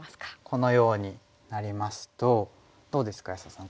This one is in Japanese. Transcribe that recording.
このようになりますとどうですか安田さん。